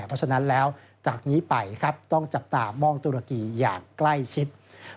เพราะฉะนั้นแล้วจากนี้ไปครับต้องจับตามองตุรกีอย่างใกล้ชิด